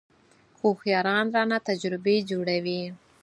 هوښیاران رانه تجربې جوړوي .